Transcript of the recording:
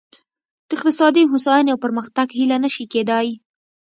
د اقتصادي هوساینې او پرمختګ هیله نه شي کېدای.